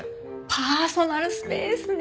パーソナルスペースね。